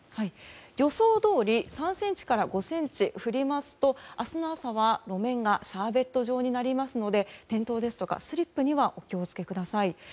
予想どおり３ｃｍから５ｃｍ降りますと明日の朝は路面がシャーベット状になりますので転倒ですとかスリップにはお気をつけください。